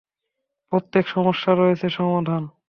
প্রত্যেক সমস্যার রয়েছে সমাধান।